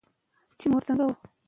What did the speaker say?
ډاکټران ژر ناروغان معاینه کوي.